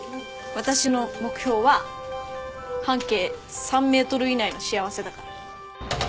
私の目標は半径３ｍ以内の幸せだから。